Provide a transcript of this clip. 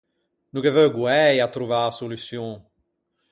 No ghe veu guæi à trovâ a soluçion.